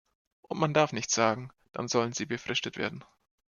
Und man darf nicht sagen, dann sollen sie befristet werden.